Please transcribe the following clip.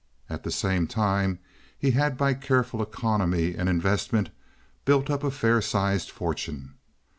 At the same time he had by careful economy and investment built up a fair sized fortune.